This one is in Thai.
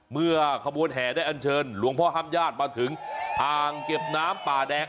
เมื่อขบวนแห่ได้อันเชิญหลวงพ่อห้ามญาติมาถึงอ่างเก็บน้ำป่าแดง